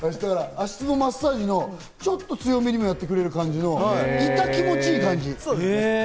足つぼマッサージのちょっと強めにもやってくれる感じ、痛気持ち良い感じ。